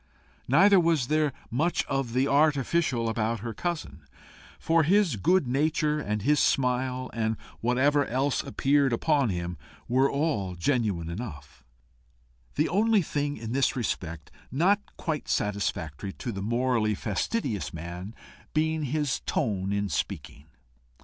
Neither was there much of the artificial about her cousin; for his good nature, and his smile, and whatever else appeared upon him, were all genuine enough the only thing in this respect not quite satisfactory to the morally fastidious man being his tone in speaking.